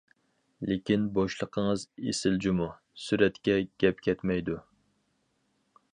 لېكىن بوشلۇقىڭىز ئېسىل جۇمۇ، سۈرەتكە گەپ كەتمەيدۇ.